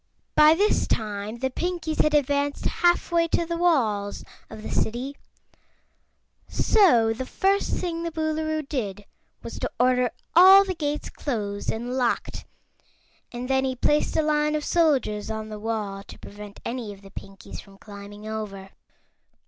By this time the Pinkies had advanced halfway to the walls of the City, so the first thing the Boolooroo did was to order all the gates closed and locked and then he placed a line of soldiers on the wall to prevent any of the Pinkies from climbing over.